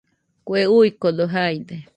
Kue uikode jaide